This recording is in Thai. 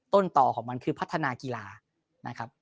ต้นต่อของมันคือพัฒนากีฬานะครับ